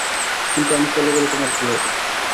কিন্তু আমি চলে গেলে, তোমার কী হবে?